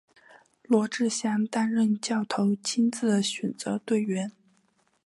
罗志祥担任教头亲自选择队员。